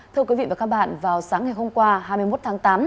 thưa quý vị và các bạn vào sáng ngày hôm qua hai mươi một tháng tám